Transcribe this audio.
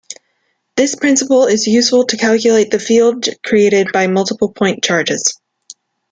This principle is useful to calculate the field created by multiple point charges.